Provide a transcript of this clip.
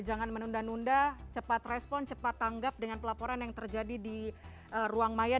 jangan menunda nunda cepat respon cepat tanggap dengan pelaporan yang terjadi di ruang maya